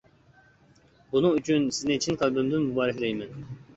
بۇنىڭ ئۈچۈن سىزنى چىن قەلبىمدىن مۇبارەكلەيمەن.